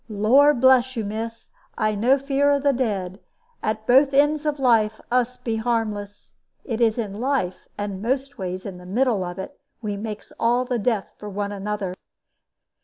Lor' bless you, miss, I no fear of the dead. At both ends of life us be harmless. It is in the life, and mostways in the middle of it, we makes all the death for one another."